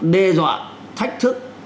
đe dọa thách thức